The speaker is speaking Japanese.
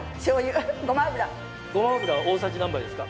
ごま油大さじ何杯ですか？